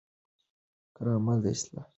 کارمل د اصلاحاتو هڅه وکړه، خو ناکامه شوه.